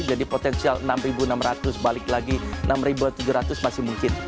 jadi potensial enam ribu enam ratus balik lagi enam ribu tujuh ratus masih mungkin